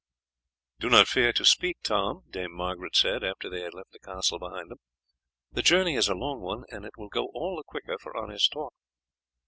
"Do not fear to speak, Tom," Dame Margaret said, after they had left the castle behind them; "the journey is a long one, and it will go all the quicker for honest talk.